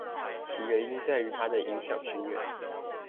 其原因在於它的影響深遠